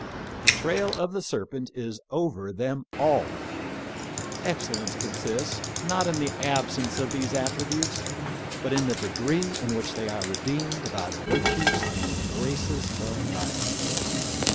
The trail of the serpent is over them all ! Excel lence consists, not in the absence of these attri butes, but in the degree in which they are redeemed by the virtues and graces of life.